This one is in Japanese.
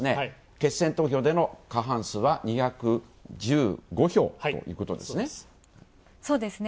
決選投票での過半数は２１５票ということですね。